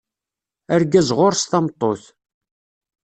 Argaz ɣur-s tameṭṭut.